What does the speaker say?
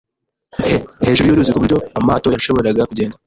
hejuru y'uruzi ku buryo amato yashoboraga kugenda